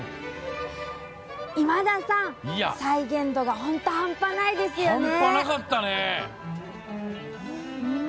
今田さん再現度が本当、半端ないですよね。